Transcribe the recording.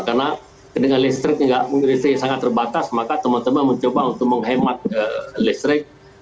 karena dengan listrik yang sangat terbatas maka teman teman mencoba untuk menghemat listrik